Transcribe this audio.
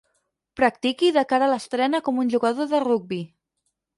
Practiqui de cara a l'estrena com un jugador de rugbi.